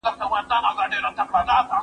هوښيار انسان له اشارو پوهېږي.